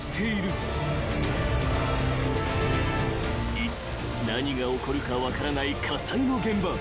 ［いつ何が起こるか分からない火災の現場］